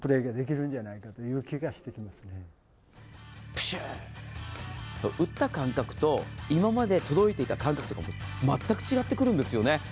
プシューと打った感覚と今まで届いていた感覚と全く違ってくるんですよね。